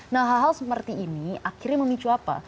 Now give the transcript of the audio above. nah hal hal seperti ini akhirnya memicu apa